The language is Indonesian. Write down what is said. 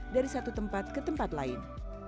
dari satu tempat ke tempat lain